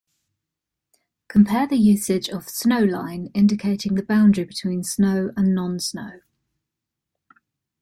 Compare the usage of "snow line" indicating the boundary between snow and non-snow.